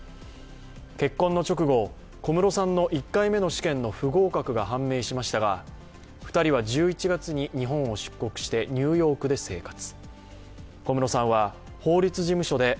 結婚の直後、小室さんの１回目の試験の不合格が判明しましたが、２人は１１月に日本を出国してニューヨークで生活。